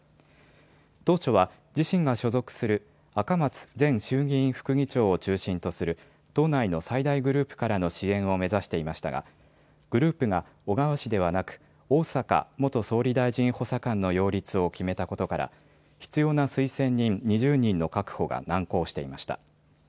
当初は自身が所属する赤松前衆議院副議長を中心とする党内の最大グループからの支援を目指していましたが、グループが小川氏ではなく、逢坂元総理大臣補佐官の擁立を決めたことから、必要な推薦人２０人の確保が難航していました。